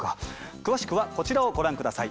詳しくはこちらをご覧下さい。